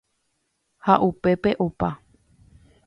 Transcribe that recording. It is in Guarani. ha upépe opa